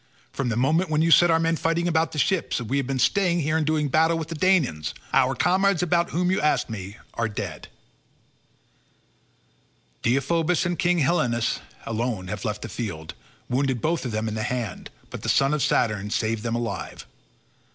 From the moment when you set our men fighting about the ships we have been staying here and doing battle with the Danaans. Our comrades about whom you ask me are dead; Deiphobus and King Helenus alone have left the field, wounded both of them in the hand, but the son of Saturn saved them alive.